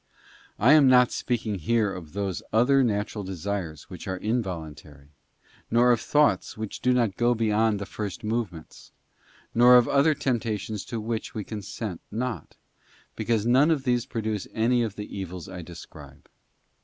ENTRANCE INTO THE NIGHT OF PRIVATION. 47 I am not speaking here of those other natural desires which are involuntary, nor of thoughts which do not go beyond the first movements, nor of other temptations to which we consent not, because none of these produce any of the evils I describe.